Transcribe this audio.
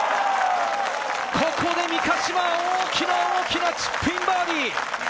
ここで三ヶ島、大きな大きなチップインバーディー！